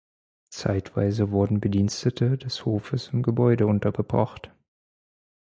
Zeitweise wurden Bedienstete des Hofes im Gebäude untergebracht.